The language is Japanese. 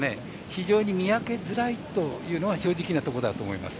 非常に見分けづらいというのが正直なとこだと思います。